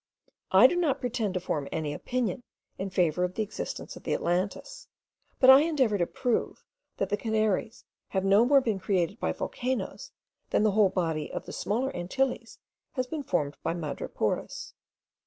I do not pretend to form any opinion in favour of the existence of the Atlantis; but I endeavour to prove, that the Canaries have no more been created by volcanoes, than the whole body of the smaller Antilles has been formed by madrepores.)